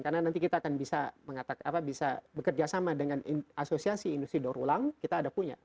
karena nanti kita akan bisa mengatakan bisa bekerja sama dengan asosiasi industri daur ulang kita ada punya